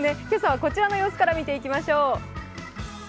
今朝はこちらの様子から見ていきましょう。